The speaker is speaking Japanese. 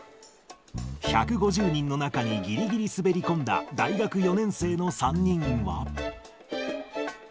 １５０人の中にぎりぎり滑りこんだ大学４年生の３人は。